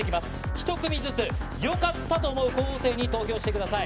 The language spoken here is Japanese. １組ずつ、よかったと思う候補生に投票してください。